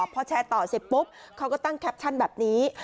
พอแชร์ต่อเสร็จปุ๊บเขาก็ตั้งแคปชั่นแบบนี้